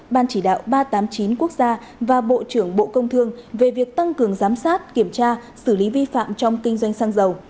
ban chỉ đạo ba trăm tám mươi chín quốc gia và bộ trưởng bộ công thương về việc tăng cường giám sát kiểm tra xử lý vi phạm trong kinh doanh xăng dầu